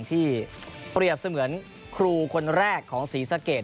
ที่เปรียบเสมือนครูคนแรกของศรีสะเกด